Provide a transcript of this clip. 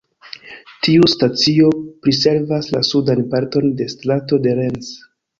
Tiu stacio priservas la sudan parton de Strato de Rennes.